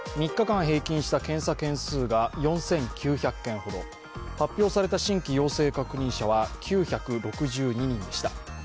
３日間平均した検査件数が４９００件ほど発表された新規陽性確認者は９６２人でした。